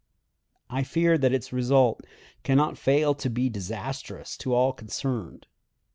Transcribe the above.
I fear that its result can not fail to be disastrous to all concerned.